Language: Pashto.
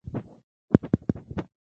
فقر او بیکارې له امله